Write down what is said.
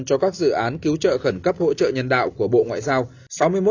cho các dự án cứu trợ khẩn cấp hỗ trợ nhân đạo của bộ ngoại giao